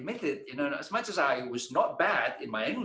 di sydney bahasa indonesia kita harus berpikir besar dan mulai kecil